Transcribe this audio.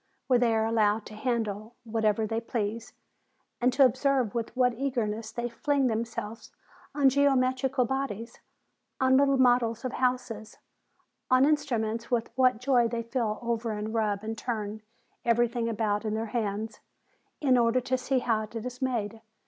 where they are allowed to handle whatever they please, and to observe with what eagerness they fling themselves on geometrical bodies , on little models of houses, on instruments; with what joy they feel over and rub and turn everything about in their hands, in order to see how it is made.